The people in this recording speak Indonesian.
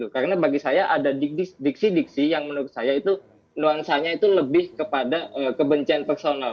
karena bagi saya ada diksi diksi yang menurut saya itu nuansanya itu lebih kepada kebencian personal